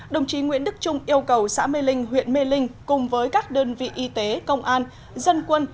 đồng chí nguyễn đức trung yêu cầu xã mê linh huyện mê linh cùng với các đơn vị y tế công an dân quân